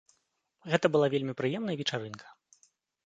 Гэта была вельмі прыемная вечарынка.